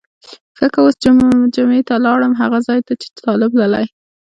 ښه که اوس جمعه ته لاړم هغه ځای ته چې طالب تللی.